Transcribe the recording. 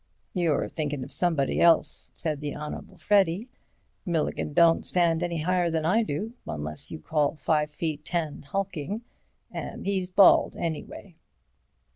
"You're thinkin' of somebody else," said the Honourable Freddy. "Milligan don't stand any higher than I do, unless you call five feet ten hulking—and he's bald, anyway."